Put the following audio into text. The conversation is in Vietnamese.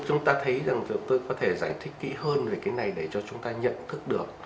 chúng ta thấy rằng chúng tôi có thể giải thích kỹ hơn về cái này để cho chúng ta nhận thức được